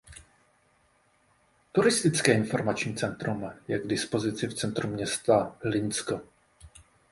Turistické informační centrum je k dispozici v centru města Hlinsko.